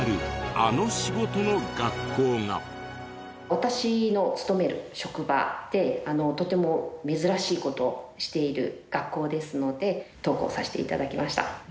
私の勤める職場でとても珍しい事をしている学校ですので投稿させて頂きました。